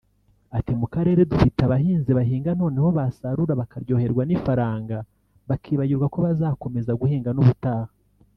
Ati “Mu karere dufite abahinzi bahinga noneho basarura bakaryoherwa n’ifaranga bakibagirwa ko bazakomeza guhinga n’ubutaha